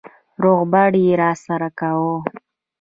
روغبړ يې راسره کاوه.